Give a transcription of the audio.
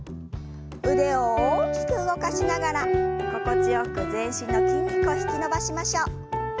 腕を大きく動かしながら心地よく全身の筋肉を引き伸ばしましょう。